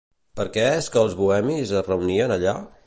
Per què és que els bohemis es reunien allà?